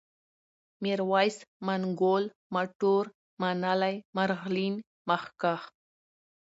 ميرويس ، منگول ، مټور ، منلی ، مرغلين ، مخکښ